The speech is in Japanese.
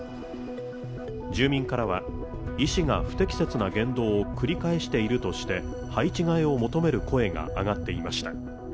住民からは医師が不適切な言動を繰り返しているとして配置換えを求める声が上がっていました。